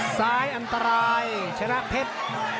อันตรายชนะเพชร